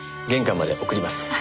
玄関まで送ります。